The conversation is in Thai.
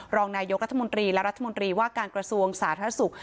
รองนายกรัฐมนตรีและรัฐมนตรีว่าการกระทรวงสาธารณสุข